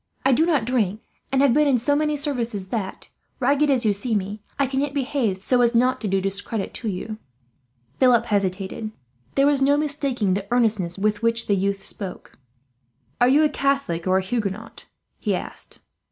I do not drink, and have been in so many services that, ragged as you see me, I can yet behave so as not to do discredit to you." Philip hesitated. There was no mistaking the earnestness with which the youth spoke. "Are you a Catholic or a Huguenot?" he asked.